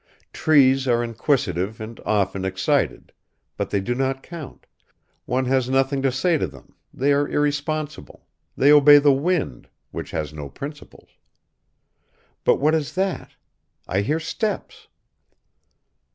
Trees are inquisitive and often excited; but they do not count, one has nothing to say to them, they are irresponsible, they obey the wind, which has no principles.... But what is that? I hear steps!...